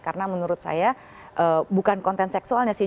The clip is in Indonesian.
karena menurut saya bukan konten seksualnya sih